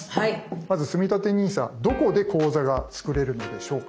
まずつみたてＮＩＳＡどこで口座が作れるのでしょうか？